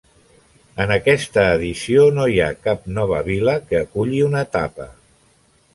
En aquesta edició no hi ha cap nova vila que aculli una etapa.